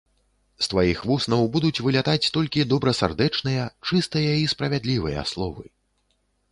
З тваіх вуснаў будуць вылятаць толькі добрасардэчныя, чыстыя і справядлівыя словы.